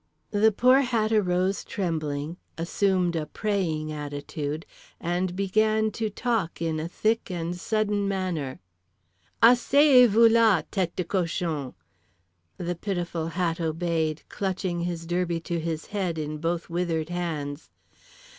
The poor Hat arose trembling, assumed a praying attitude; and began to talk in a thick and sudden manner. "Asseyez vous là, tête de cochon." The pitiful Hat obeyed, clutching his derby to his head in both withered hands.